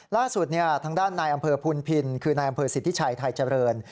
ล่าสุดทางด้านนายอำเภอพุนพินคือนายอำเภอสิทธิชัยไทยเจริญ